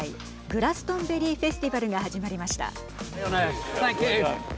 グラストンベリー・フェスティバルが始まりました。